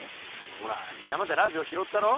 ほら山でラジオ拾ったろ。